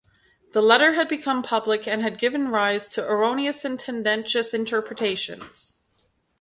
The letter had become public and had given rise to erroneous and tendentious interpretations.